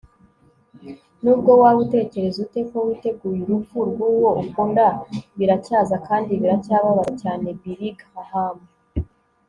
nubwo waba utekereza ute ko witeguye urupfu rw'uwo ukunda, biracyaza, kandi biracyababaza cyane - billy graham